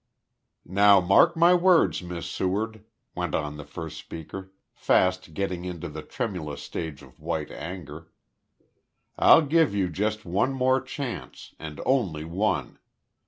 "Now mark my words, Miss Seward," went on the first speaker, fast getting into the tremulous stage of white anger. "I'll give you just one more chance, and only one.